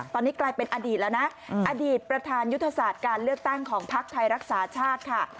ตอนนี้กลายเป็นอดีตแล้วนะอดีตประธานยุทธศาสตร์การเลือกตั้งของพักไทยรักษาชาติค่ะ